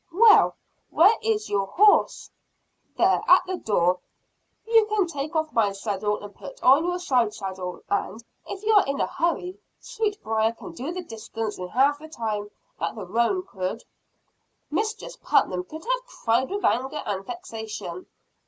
"Well, where is your horse?" "There, at the door. You can take off my saddle, and put on your side saddle, and, if you are in a hurry, Sweetbriar can do the distance in half the time that the roan could." Mistress Putnam could have cried with anger and vexation.